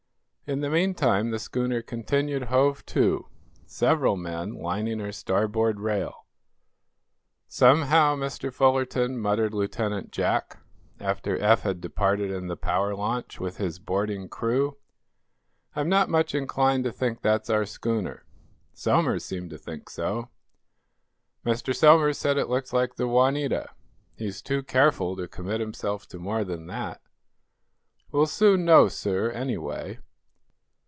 In the meantime the schooner continued "hove to," several men lining her starboard rail. "Somehow, Mr. Fullerton," muttered Lieutenant Jack, after Eph had departed in the power launch with his boarding crew, "I'm not much inclined to think that's our schooner." "Somers seemed to think so." "Mr. Somers said it looked like the 'Juanita.' He's too careful to commit himself to more than that." "We shall soon know, sir, anyway."